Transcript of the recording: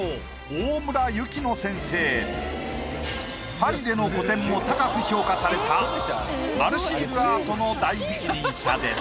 パリでの個展も高く評価された丸シールアートの第一人者です。